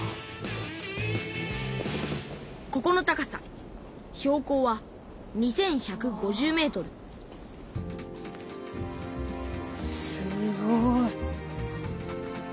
ここの高さ標高は２，１５０ｍすごい。